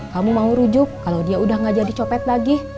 kamu mau rujuk kalau dia udah gak jadi copet lagi